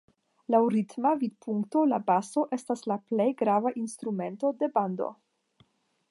Laŭ ritma vidpunkto la baso estas la plej grava instrumento de bando.